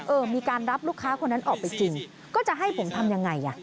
เออมีการรับลูกค้าคนนั้นออกไปจริง